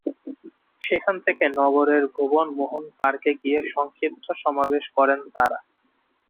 সেখান থেকে নগরের ভুবন মোহন পার্কে গিয়ে সংক্ষিপ্ত সমাবেশ করেন তাঁরা।